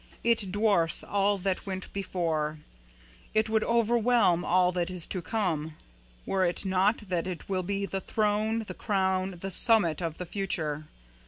It dwarfs all that went before; it would overwhelm all that is to come, were it not that it will be the throne, the crown, the summit, of the future.